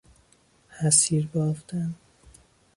حصیر بافتن